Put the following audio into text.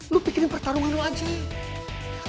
lo pikirin pertarungan lo aja